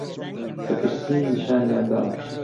کە پرسیم نیشانیان دام